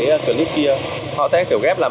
và người ta cho bệnh vi phạm